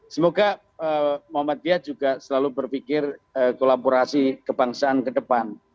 semoga muhammadiyah juga selalu berpikir kolaborasi kebangsaan kedepan